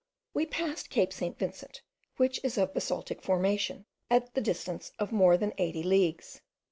We passed Cape St. Vincent, which is of basaltic formation, at the distance of more than eighty leagues.